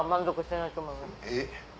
えっ。